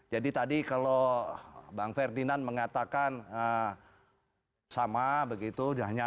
jadi tadi kalau bang ferdinand mengatakan sama